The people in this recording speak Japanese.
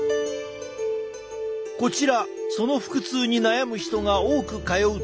こちらその腹痛に悩む人が多く通うという病院。